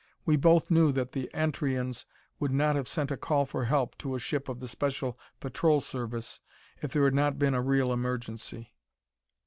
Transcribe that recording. We both knew that the Antrians would not have sent a call for help to a ship of the Special Patrol Service if there had not been a real emergency.